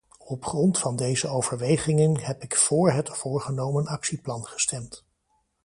Op grond van deze overwegingen heb ik voor het voorgenomen actieplan gestemd.